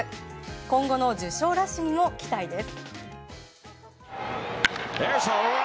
今後の受賞ラッシュにも期待です。